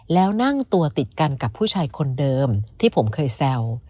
แล้วนั่งตัวติดกันกับผู้ชายคนเดิมที่ผมเคยแซว